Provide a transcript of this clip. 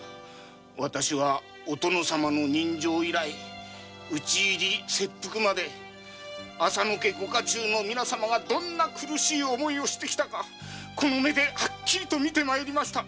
わたしはお殿様の刃傷以来討ち入り切腹まで浅野家の皆様がどんな苦しい思いをしてきたかこの目ではっきりと見て参りました。